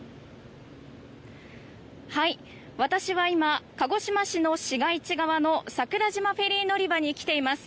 私は今、鹿児島市の市街地側の桜島フェリー乗り場に来ています。